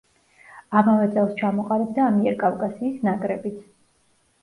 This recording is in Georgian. ამავე წელს ჩამოყალიბდა ამიერკავკასიის ნაკრებიც.